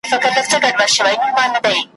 دا ميوند ميوند دښتونه ,